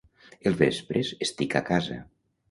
Els vespres estic a casa.